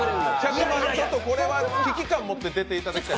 これは危機感持って出ていただきい。